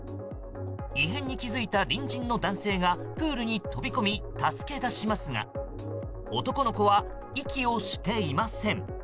異変に気付いた隣人の男性がプールに飛び込み助け出しますが男の子は息をしていません。